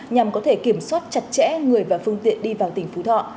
nhằm có thể kiểm soát chặt chẽ người và phương tiện đi vào tỉnh phú thọ